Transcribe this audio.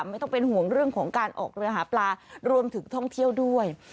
ไม่ต้องเป็นห่วงเรื่องของการออกเรือหาปลารวมถึงท่องเที่ยวด้วย